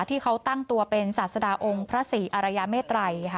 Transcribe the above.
ที่เขาตั้งตัวเป็นศาสดาองค์พระศรีอารยาเมตรัยค่ะ